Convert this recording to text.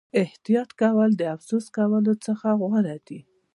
احتیاط کول د افسوس کولو څخه غوره دي.